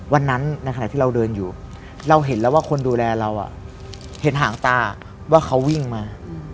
ในขณะที่เราเดินอยู่เราเห็นแล้วว่าคนดูแลเราเห็นหางตาว่าเขาวิ่งมา